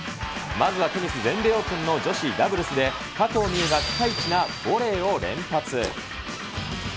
まずはテニス全米オープンの女子ダブルスで、加藤未唯がピカイチなボレーを連発。